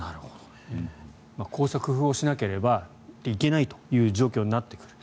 こうした工夫をしなければいけないという状況になってくる。